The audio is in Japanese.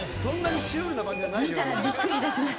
見たらびっくりいたします。